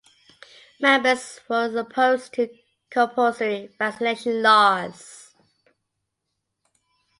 Members were opposed to compulsory vaccination laws.